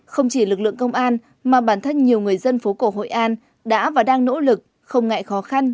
không chỉ lực lượng công an mà bản thân nhiều người dân phố cổ hội an đã và đang nỗ lực không ngại khó khăn